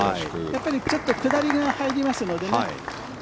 やっぱりちょっと下りが入りますのでね。